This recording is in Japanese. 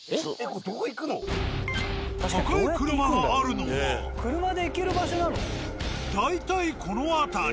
赤い車があるのは大体この辺り。